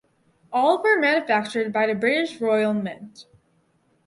All were manufactured by the British Royal Mint.